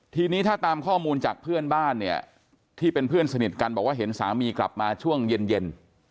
ทีนี้ถ้าตามข้อมูลจากเพื่อนบ้านเนี่ยที่เป็นเพื่อนสนิทกันบอกว่าเห็นสามีกลับมาช่วงเย็น